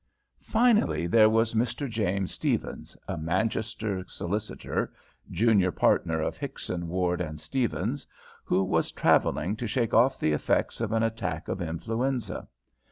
Finally, there was Mr. James Stephens, a Manchester solicitor (junior partner of Hickson, Ward, and Stephens), who was travelling to shake off the effects of an attack of influenza.